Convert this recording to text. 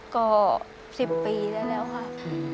ก็๑๐ปีได้แล้วค่ะ